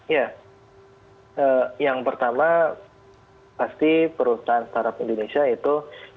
ya yang pertama pasti perusahaan startup indonesia itu